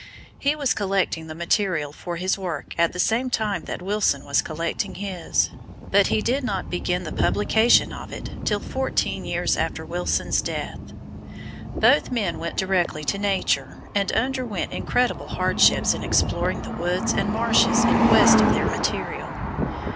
He was collecting the material for his work at the same time that Wilson was collecting his, but he did not begin the publication of it till fourteen years after Wilson's death. Both men went directly to Nature and underwent incredible hardships in exploring the woods and marshes in quest of their material.